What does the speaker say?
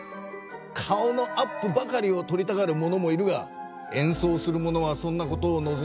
顔のアップばかりをとりたがる者もいるがえんそうをする者はそんなことをのぞんではいない。